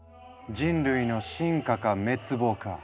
人類の進化か滅亡か！